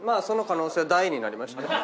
その可能性は大になりました。